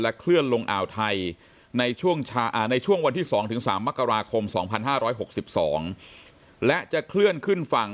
เคลื่อนลงอ่าวไทยในช่วงวันที่๒๓มกราคม๒๕๖๒และจะเคลื่อนขึ้นฝั่ง